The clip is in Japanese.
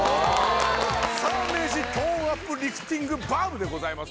サーメージトーンアップリフティングバームでございます